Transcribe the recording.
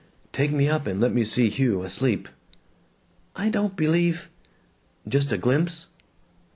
"Take me up and let me see Hugh asleep." "I don't believe " "Just a glimpse!"